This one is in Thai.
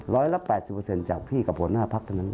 ร้อยละ๘๐จากพี่กับหัวหน้าพักเท่านั้น